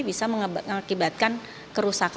bisa mengakibatkan kerusakan darah lainnya